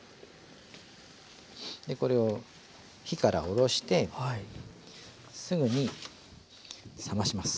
これを火から下ろしてすぐに冷まします。